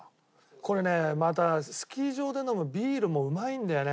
これねまたスキー場で飲むビールもうまいんだよね。